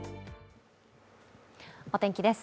お天気です。